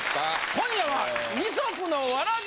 今夜は。